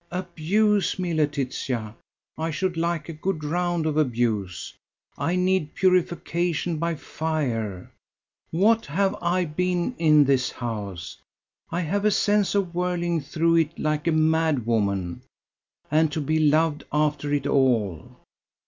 Abuse me, Laetitia. I should like a good round of abuse. I need purification by fire. What have I been in this house? I have a sense of whirling through it like a madwoman. And to be loved, after it all!